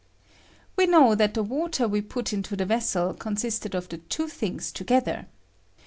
We know that the water we put into the vessel consisted of the two things together.